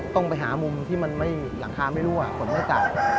ต้องไปหามุมที่มันไม่หลังคาไม่รั่วฝนไม่ต่ำ